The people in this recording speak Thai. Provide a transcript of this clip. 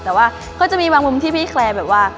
แต่ว่าก็จะมีบางมุมที่พี่แคร์แบบว่า